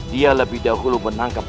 dia lebih dahulu menangkap